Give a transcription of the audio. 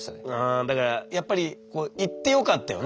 あだからやっぱり行ってよかったよね。